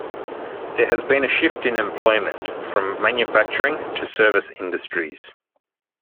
There has been a shift in employment from manufacturing to service industries.